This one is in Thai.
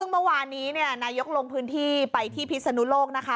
ซึ่งเมื่อวานนี้นายกลงพื้นที่ไปที่พิศนุโลกนะคะ